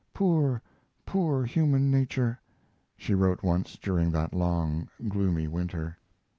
"Poor, poor human nature," she wrote once during that long, gloomy winter.